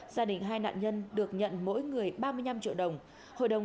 gia đình hai nạn nhân được nhận mỗi người ba mươi năm triệu đồng